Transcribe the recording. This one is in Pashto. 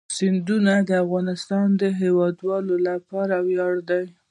سیندونه د افغانستان د هیوادوالو لپاره ویاړ دی.